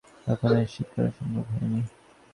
গেতোর জড়িত থাকার বিষয়টি এখনও নিশ্চিত করা সম্ভব হয়নি।